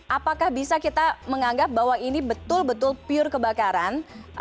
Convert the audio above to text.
apakah bisa kita menganggap bahwa ini betul betul pure kebakaran